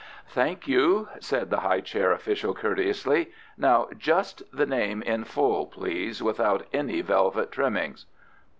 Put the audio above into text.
"Thank you," said the high chair official courteously. "Now, just the name in full, please, without any velvet trimmings."